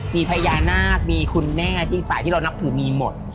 มีพญานาคมีคุณแม่พี่สายที่เรานับถือมีหมด